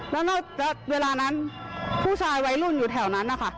แล้วเวลานั้นผู้ชายวัยรุ่นอยู่แถวนั้นนะคะ